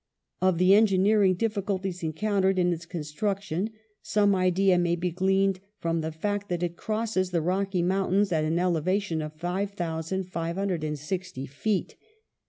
Of the engineering difficulties encountered in its construction some idea may be gleaned from the fact that it crosses the Rocky Mountains at an elevation of 5,560 feet.